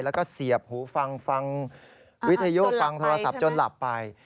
แล้วก็เสียบหูฟังฟังวิทยุฟังโทรศัพท์จนหลับไป